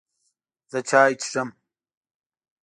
زه چای څښم.